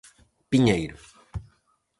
Piñeiro.